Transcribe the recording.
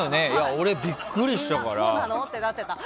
俺ビックリしたからさ。